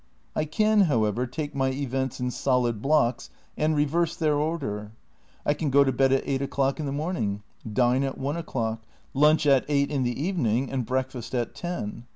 I can, however, take my events in solid blocks and reverse their order. I can go to bed at eight o'clock in the morning, diae at one o'clock, lunch at eight in the evening, and breakfast at ten.